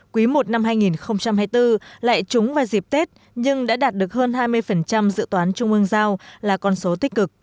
quý i năm hai nghìn hai mươi bốn lại trúng vào dịp tết nhưng đã đạt được hơn hai mươi dự toán trung ương giao là con số tích cực